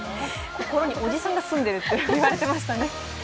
心におじさんが住んでるって言われてましたね。